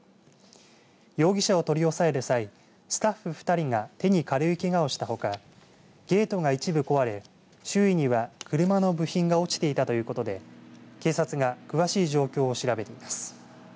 容疑者を取り押さえる際スタッフ２人が手に軽いけがをしたほかゲートが一部壊れ周囲には車の部品が落ちていたということで警察が詳しい状況を調べています。